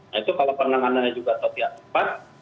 nah itu kalau penanganannya juga atau tidak tepat